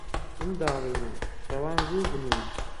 منداڵینە، شەوان زوو بنوون.